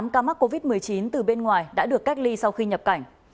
một trăm tám mươi tám ca mắc covid một mươi chín từ bên ngoài đã được cách ly sau khi nhập cảnh